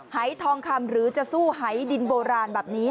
หายทองคำหรือจะสู้หายดินโบราณแบบนี้